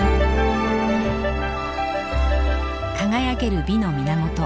輝ける美の源